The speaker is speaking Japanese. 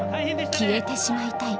消えてしまいたい。